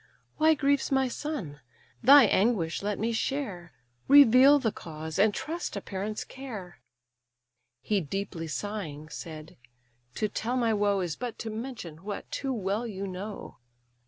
"Why grieves my son? Thy anguish let me share; Reveal the cause, and trust a parent's care." He deeply sighing said: "To tell my woe Is but to mention what too well you know.